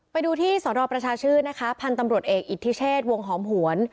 ไปดูที่สนประชาชื่นนะคะพันธุ์ตำรวจเอกอิทธิเชษวงหอมหวน